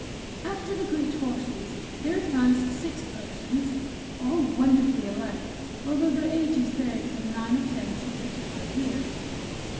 After the Greathorses there advanced six persons, all wonderfully alike, although their ages varied from nine or ten to thirty five years.